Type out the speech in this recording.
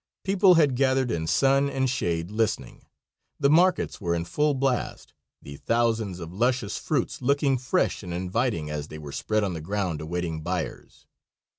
People had gathered in sun and shade listening. The markets were in full blast; the thousands of luscious fruits looking fresh and inviting as they were spread on the ground awaiting buyers.